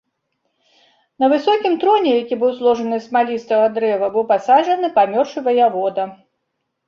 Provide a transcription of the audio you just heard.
На высокім троне, які быў зложаны з смалістага дрэва, быў пасаджаны памёршы ваявода.